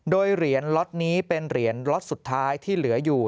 โดยเหรียญล็อตนี้เป็นเหรียญล็อตสุดท้ายที่เหลืออยู่